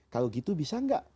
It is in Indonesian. kalau gitu bisa gak